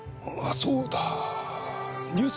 そうだニュース